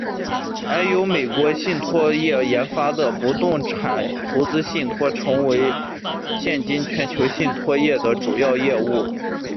而由美国信托业研发的不动产投资信托成为了现今全球信托业的主要业务。